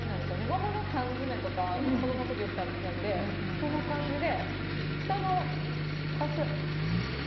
桃の缶詰とか子供の時よく食べていたのでその感じで、下のカステラ。